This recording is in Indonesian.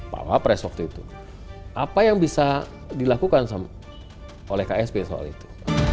pak wapres waktu itu apa yang bisa dilakukan oleh ksp soal itu